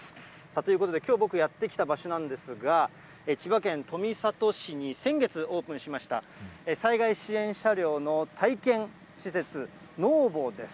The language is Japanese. ということで僕、きょうやって来た場所なんですが、千葉県富里市に先月オープンしました、災害支援車両の体験施設、ノーボです。